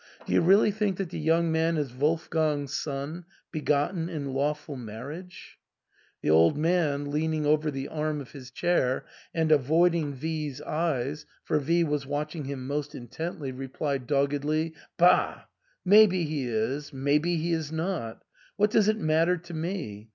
Do you really think that the young man is Wolfgang's son, begotten in lawful marriage ?" The old man, leaning over the arm of his chair, and avoiding V 's eyes, for V was watching him most intently, replied doggedly, Bah ! Maybe he is ; maybe he is not. What does it matter to me